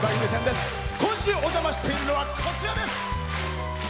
今週お邪魔しているのはこちらです！